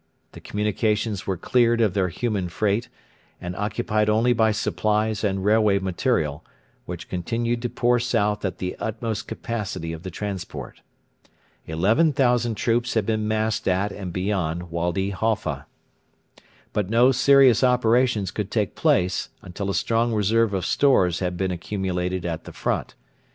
The communications were cleared of their human freight, and occupied only by supplies and railway material, which continued to pour south at the utmost capacity of the transport. Eleven thousand troops had been massed at and beyond Wady Halfa. But no serious operations could take place until a strong reserve of stores had been accumulated at the front.